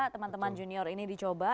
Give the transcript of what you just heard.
teman teman junior ini dicoba